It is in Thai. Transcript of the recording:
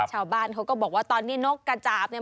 ชาวบ้านเขาก็บอกว่าตอนนี้นกกระจาบเนี่ย